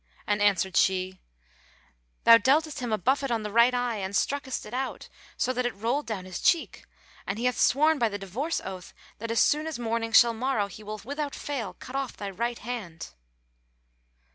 and answered she, "Thou dealtest him a buffet on the right eye and struckest it out so that it rolled down his cheek; and he hath sworn by the divorce oath that, as soon as morning shall morrow he will without fail cut off thy right hand."